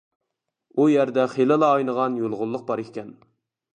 ئۇ يەردە خېلىلا ئاينىغان يۇلغۇنلۇق بار ئىكەن.